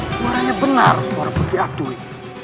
suaranya benar suara putri atuya